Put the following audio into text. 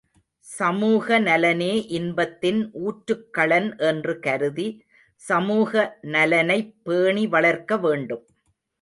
சமூகநலனே இன்பத்தின் ஊற்றுக்களன் என்று கருதி சமூக நலனைப் பேணி வளர்க்க வேண்டும்.